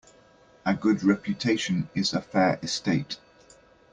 A good reputation is a fair estate.